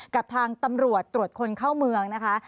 กับทางตำรวจตรวจคนเข้าเมืองนะคะ